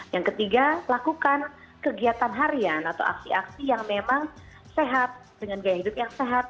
yang ketiga lakukan kegiatan harian atau aksi aksi yang memang sehat dengan gaya hidup yang sehat